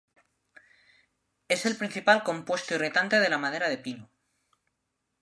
Es el principal compuesto irritante de la madera del pino.